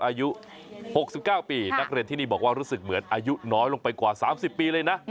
อายุ๖๙ปีนักเรียนที่นี่บอกว่ารู้สึกเหมือนอายุน้อยลงไปกว่า๓๐ปีเลยนะ